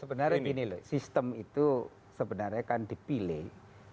sebenarnya gini loh sistem itu sebenarnya kan dipilih